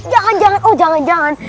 jangan jangan oh jangan